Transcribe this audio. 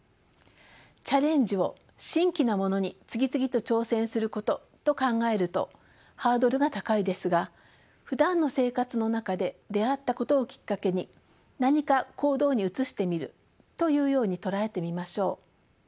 チャレンジを新奇なものに次々と挑戦することと考えるとハードルが高いですがふだんの生活の中で出会ったことをきっかけに何か行動に移してみるというように捉えてみましょう。